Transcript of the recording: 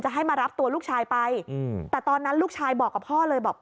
ให้มารับตัวลูกชายไปแต่ตอนนั้นลูกชายบอกกับพ่อเลยบอก